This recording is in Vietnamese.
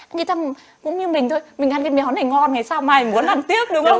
người ta cũng như mình thôi mình ăn cái món này ngon ngày sau mai mình muốn ăn tiếp đúng không